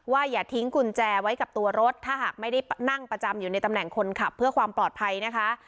อย่าทิ้งกุญแจไว้กับตัวรถถ้าหากไม่ได้นั่งประจำอยู่ในตำแหน่งคนขับเพื่อความปลอดภัยนะคะ